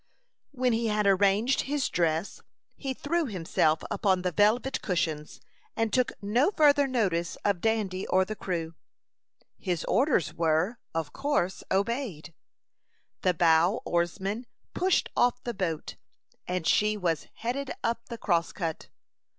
When he had arranged his dress, he threw himself upon the velvet cushions, and took no further notice of Dandy or the crew. His orders were, of course, obeyed. The bow oarsman pushed off the boat, and she was headed up the Crosscut.